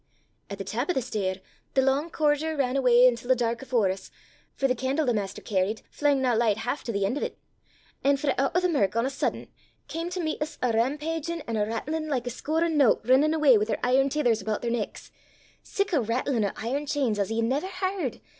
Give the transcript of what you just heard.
"At the tap o' the stair, the lang corridor ran awa' intil the dark afore 's, for the can'le the maister carried flangna licht half to the en' o' 't; an' frae oot o' the mirk on a suddent cam to meet 's a rampaugin' an' a rattlin' like o' a score o' nowt rinnin' awa' wi' their iron tethers aboot their necks sic a rattlin' o' iron chains as ye never h'ard!